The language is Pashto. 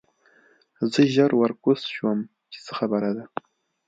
زه ژر ورکوز شوم چې څه خبره ده